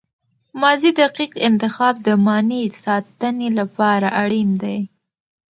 ماضي دقیق انتخاب د معنی ساتني له پاره اړین دئ.